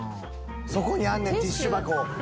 そこにあんねんティッシュ箱。